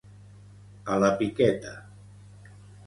A la piqueta.